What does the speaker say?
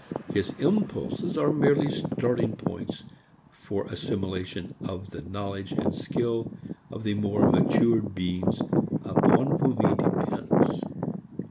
His impulses are merely starting points for assimilation of the knowledge and skill of the more matured beings upon whom he depends.